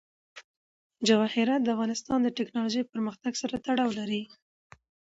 جواهرات د افغانستان د تکنالوژۍ پرمختګ سره تړاو لري.